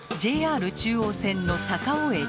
ＪＲ中央線の高尾駅。